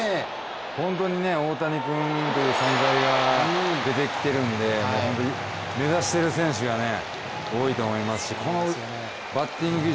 本当に大谷君という存在が出てきているんで本当に目指している選手が多いと思いますしこのバッティング技術